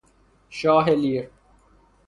شاه لیر